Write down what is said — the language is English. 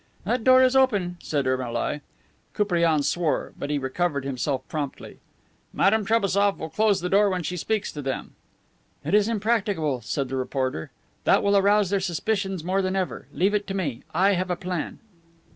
"That door is open," said Ermolai. Koupriane swore. But he recovered himself promptly. "Madame Trebassof will close the door when she speaks to them." "It's impracticable," said the reporter. "That will arouse their suspicions more than ever. Leave it to me; I have a plan."